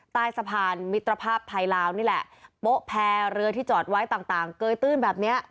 ใต้สะพานมิตรภาพไทยลาวนี่แหละโป๊ะแพรเรือที่จอดไว้ต่างต่างเกยตื้นแบบเนี้ย